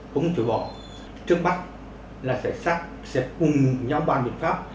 không chữa bỏ trước bắt là sẽ cùng nhóm bàn biện pháp